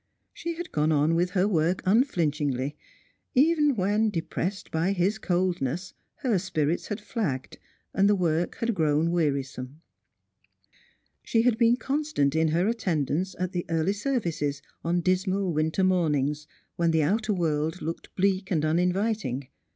She had gone on with her work unflinchingly, even when, depressed by Ms coldness, her spirits had flagged and the work had grown wearisome. She had been constant in her attendance at the early services on dismal winter mornings, when the outer world looked bleak and uninviting.